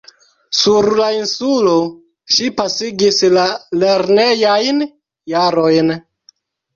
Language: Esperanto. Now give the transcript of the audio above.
Sur la insulo ŝi pasigis la lernejajn jarojn.